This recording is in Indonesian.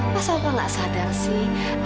masa aku nggak sadar sih